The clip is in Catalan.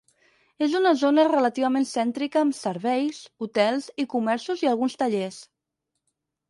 És una zona relativament cèntrica amb serveis, hotels i comerços i alguns tallers.